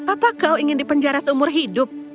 apa kau ingin dipenjara seumur hidup